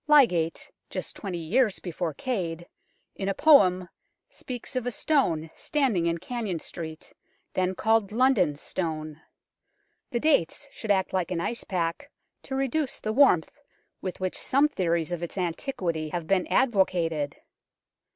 Lydgate, just twenty years before Cade, in a poem speaks of a stone standing in Cannon Street, then called London Stone. The dates should act like an icepack to reduce the warmth with which some theories of its antiquity have been advocated.